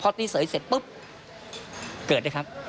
ตีเสยเสร็จปุ๊บเกิดด้วยครับ